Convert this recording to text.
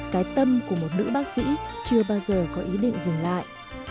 cái tâm của một nữ bác sĩ chưa bao giờ có ý định dừng lại